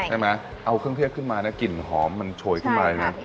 ใช่ไหมเอาเครื่องเทศขึ้นมานะกลิ่นหอมมันโชยขึ้นมาเลยนะ